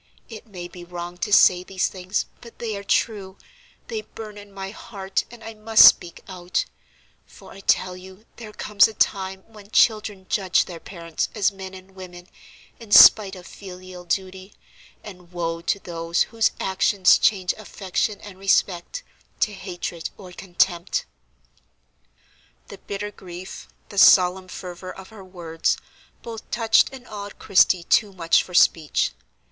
It may be wrong to say these things, but they are true; they burn in my heart, and I must speak out; for I tell you there comes a time when children judge their parents as men and women, in spite of filial duty, and woe to those whose actions change affection and respect to hatred or contempt." The bitter grief, the solemn fervor of her words, both touched and awed Christie too much for speech.